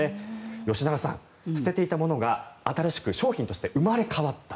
吉永さん、捨てていたものが新しく商品として生まれ変わったと。